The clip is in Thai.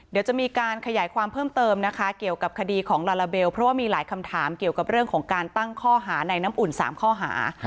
เดี๋ยวจะมีการขยายความเพิ่มเติมนะคะเกี่ยวกับคดีของลาลาเบลเพราะว่ามีหลายคำถามเกี่ยวกับเรื่องของการตั้งข้อหาในน้ำอุ่น๓ข้อหา